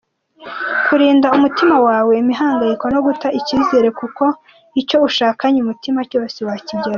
Kurinda umutima wawe imihangayiko no guta icyizere kuko icyo ushakanye umutima cyose wakigeraho.